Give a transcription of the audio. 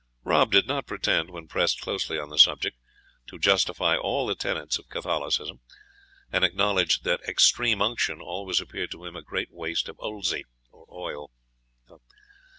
Rob did not pretend, when pressed closely on the subject, to justify all the tenets of Catholicism, and acknowledged that extreme unction always appeared to him a great waste of ulzie, or oil.